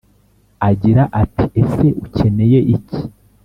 agira ati «Ese ukeneye iki?»